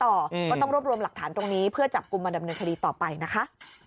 ก็ต้องรวบรวมหลักฐานตรงนี้เพื่อจับกลุ่มมาดำเนินคดีต่อไปนะคะ